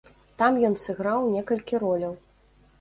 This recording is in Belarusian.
Там ён сыграў некалькі роляў.